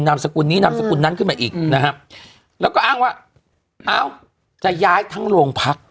สกุลนี้นามสกุลนั้นขึ้นมาอีกนะฮะแล้วก็อ้างว่าเอ้าจะย้ายทั้งโรงพัก